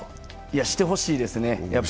してほしいですね。